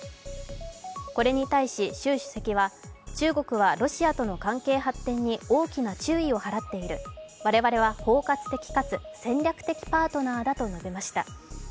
これに対し習主席は中国はロシアとの関係発展に大きな注意を払っている、我々は包括的かつ戦略的パートナーだと述べました。